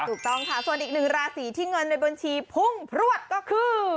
ถูกต้องค่ะส่วนอีกหนึ่งราศีที่เงินในบัญชีพุ่งพลวดก็คือ